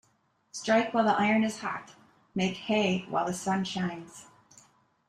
Strike while the iron is hot Make hay while the sun shines.